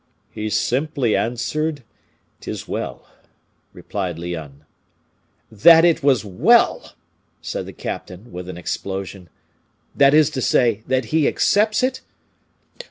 "He simply answered, ''Tis well,'" replied Lyonne. "That it was well!" said the captain, with an explosion. "That is to say, that he accepts it?